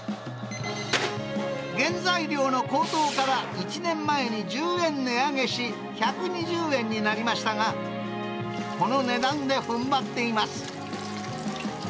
原材料の高騰から１年前に１０円値上げし、１２０円になりましたが、この値段でふんばっています。